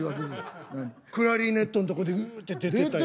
「クラリネット」のとこでうって出てた。